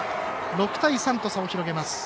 ６対３と差を広げます。